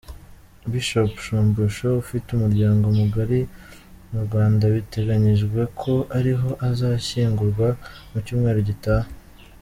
Bishop Shumbusho ufite umuryango mugari mu Rwanda biteganyijwe ko ariho azashyingurwa mu cyumweru gitaha.